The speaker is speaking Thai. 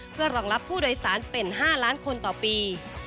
เพื่อรองรับผู้โดยสารเป็น๕ล้านคนต่อปี